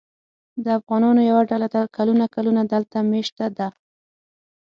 د افغانانو یوه ډله کلونه کلونه دلته مېشته ده.